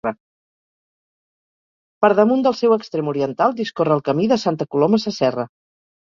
Per damunt del seu extrem oriental discorre el Camí de Santa Coloma Sasserra.